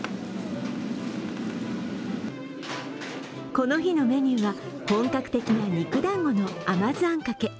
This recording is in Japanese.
この日のメニューは本格的な肉だんごの甘酢あんかけ。